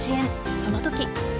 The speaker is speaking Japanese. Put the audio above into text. その時。